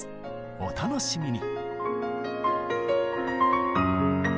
お楽しみに！